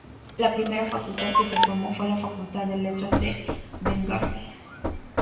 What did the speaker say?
La primera facultad que se formó fue la Facultad de Letras de Bengasi.